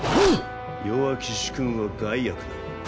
弱き主君は害悪なり。